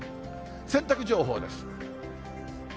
洗濯情報です。